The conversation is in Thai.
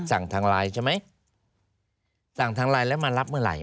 ทางไลน์ใช่ไหมสั่งทางไลน์แล้วมารับเมื่อไหร